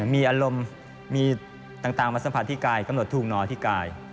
มีอารมณ์มีต่างมาสัมผัสที่กายกำหนดถูกหนอที่กาย